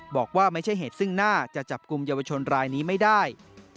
บอกว่าไม่ใช่เหตุซึ่งหน้าจะจับกลุ่มเยาวชนรายนี้ไม่ได้